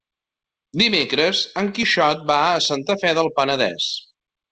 Dimecres en Quixot va a Santa Fe del Penedès.